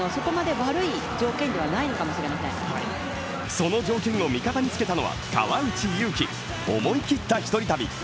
この条件を味方につけたのは川内優輝、思い切った１人旅。